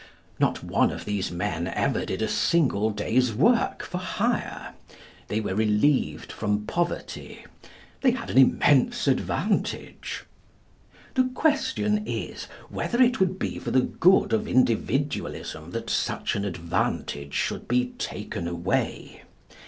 Not one of these men ever did a single day's work for hire. They were relieved from poverty. They had an immense advantage. The question is whether it would be for the good of Individualism that such an advantage should be taken away.